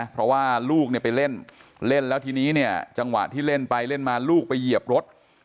เพราะว่าลูกไปเล่นแล้วทีนี้จังหวะที่เล่นไปเล่นมาลูกไปเหยียบรถ